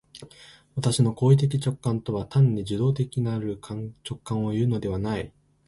私の行為的直観とは単に受働的なる直覚をいうのではない。